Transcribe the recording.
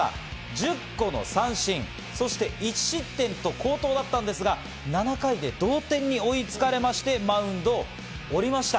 １０個の三振、そして１失点と好投だったんですが７回で同点に追いつかれまして、マウンドを降りました。